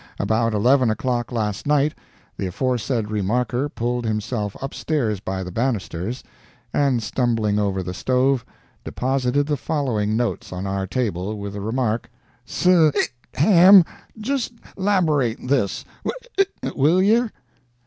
About eleven o'clock last night the aforesaid remarker pulled himself upstairs by the banisters, and stumbling over the stove, deposited the following notes on our table, with the remark: "S(hic)am, just 'laberate this, w(hic)ill, yer?"